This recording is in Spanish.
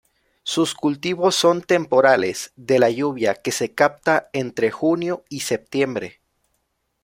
Sus cultivos son temporales, de la lluvia que se capta entre junio y septiembre.